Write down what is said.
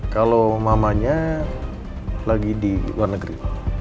kalau mamanya lagi di luar negeri